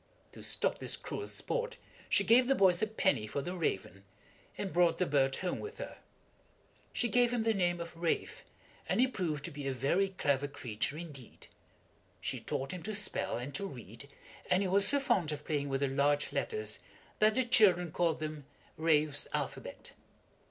To stop this cruel sport she gave the boys a penny for the raven, and brought the bird home with her. She gave him the name of "Ralph," and he proved to be a very clever creature indeed. She taught him to spell, and to read, and he was so fond of playing with the large letters, that the children called them "Ralph's Alphabet."